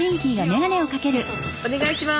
お願いします。